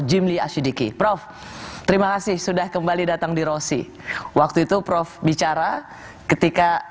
jimli asyidiki prof terima kasih sudah kembali datang di rosi waktu itu prof bicara ketika